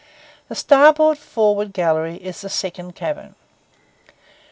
The starboard forward gallery is the second cabin.